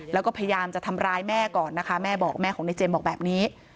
แล้วก็พยายามจะทำร้ายแม่ก่อนนะคะแม่บอกแม่ของในเจมส์บอกแบบนี้